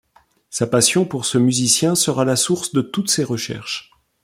Sa passion pour ce musicien sera la source de toutes ses recherches.